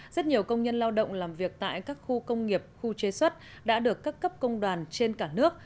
rất nhiều công nhân lao động làm việc tại các khu công nghiệp khu chế xuất đã được các cấp công đoàn trên cả nước